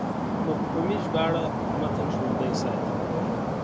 مفهومي ژباړه متن ژوندی ساتي.